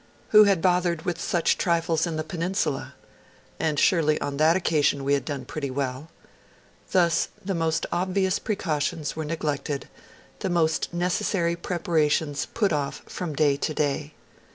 Who had bothered with such trifles in the Peninsula? And surely, on that occasion, we had done pretty well. Thus, the most obvious precautions were neglected, and the most necessary preparations were put off from day to day.